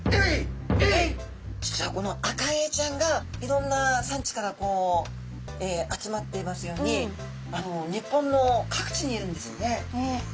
実はこのアカエイちゃんがいろんな産地から集まっていますように日本の各地にいるんですね。